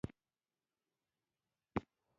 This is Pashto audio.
افغانستان د بادامو په اړه ډېرې ګټورې علمي څېړنې لري.